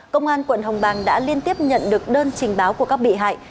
công an quận hồng bàng đã liên tiếp nhận được đơn trình báo của các bị hại